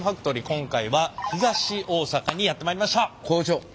今回は東大阪にやって参りました！